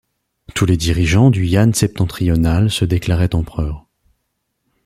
Tous les dirigeants du Yan septentrional se déclaraient empereurs.